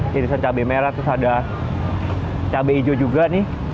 kirisan cabai merah terus ada cabai hijau juga nih